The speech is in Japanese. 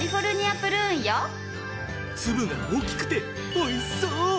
粒が大きくて美味しそう！